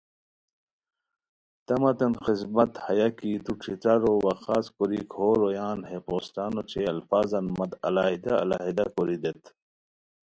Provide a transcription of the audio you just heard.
تہ متین خذمت ہیہ کی تو ݯھترارو وا خاص کوری کھو رویان ہے پوسٹان اوچے الفاظان مت علٰحیدہ علٰحیدہ کوری دیت